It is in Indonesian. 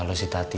nanti mah gak